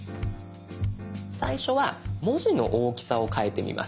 最初は文字の大きさを変えてみます。